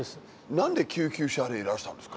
何で救急車でいらしたんですか？